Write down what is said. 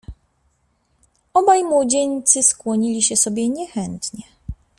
"Obaj młodzieńcy skłonili się sobie niechętnie."